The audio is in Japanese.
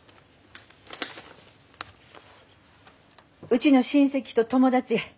うちの親戚と友達。